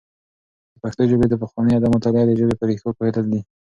د پښتو ژبې د پخواني ادب مطالعه د ژبې په ريښو پوهېدل دي.